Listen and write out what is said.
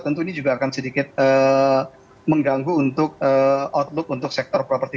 tentu ini juga akan sedikit mengganggu untuk outlook untuk sektor properti